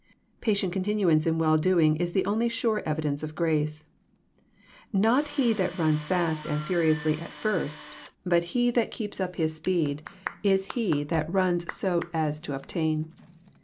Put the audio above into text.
Patient continuance in well doing is the only sure evidence of grace. Not he that rans fast and furiously at first, but he that keeps up 102 EXFOSITO&T THOUGHIS. bis speed, is he that *^ rans so as to obtain."